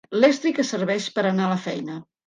L'estri que serveix per anar a la feina.